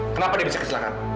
kenapa dia bisa kecil kecilan